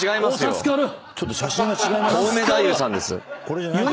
ちょっと写真が違います。